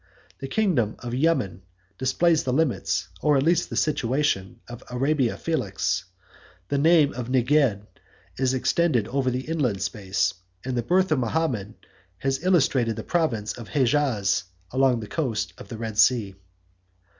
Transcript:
The kingdom of Yemen displays the limits, or at least the situation, of Arabia Felix: the name of Neged is extended over the inland space; and the birth of Mahomet has illustrated the province of Hejaz along the coast of the Red Sea.